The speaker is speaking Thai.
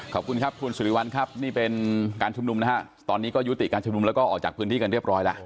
ขอบคุณครับคุณสุริวัลครับนี่เป็นการชุมนุมนะฮะตอนนี้ก็ยุติการชุมนุมแล้วก็ออกจากพื้นที่กันเรียบร้อยแล้ว